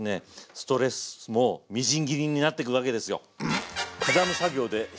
ストレスもみじん切りになっていくわけですよ。